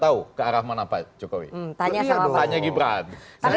tahu kearah mana pak cukowi tanya tanya gibran